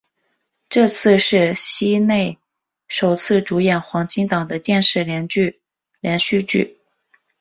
这次是西内首次主演黄金档的电视连续剧。